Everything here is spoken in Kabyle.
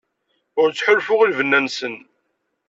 Ur ttḥulfuɣ i lbenna-nsen.